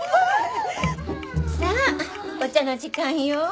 さあお茶の時間よ。